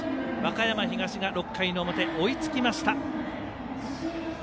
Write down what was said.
和歌山東、６回の表追いつきました。